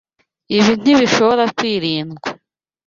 Ibi ntibishobora kwirindwa.